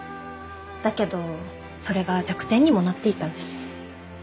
だけどそれが弱点にもなっていたんです。